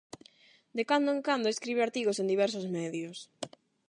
De cando en cando escribe artigos en diversos medios.